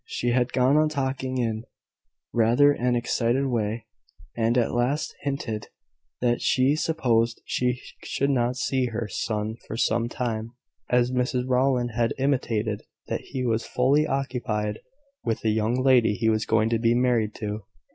She had gone on talking in rather an excited way, and at last hinted that she supposed she should not see her son for some time, as Mrs Rowland had intimated that he was fully occupied with the young lady he was going to be married to.